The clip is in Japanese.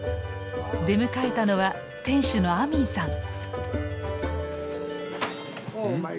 出迎えたのは店主のアミンさん。